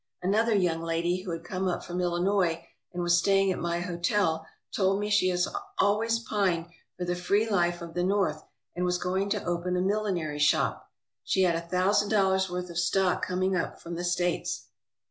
Another young lady who had come up from Illinois and was staying at my hotel told me she had always pined for the free life of the North and was going to open a millinery shop. She had a thousand dollars' worth of stock coming up from the States.